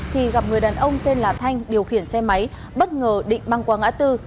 thì gặp người đàn ông tên là thanh điều khiển xe máy bất ngờ định băng qua ngã tư